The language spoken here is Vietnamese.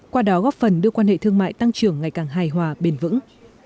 qua đó góp phần đưa quan hệ thương mại tăng trưởng ngày càng hài hòa bền vững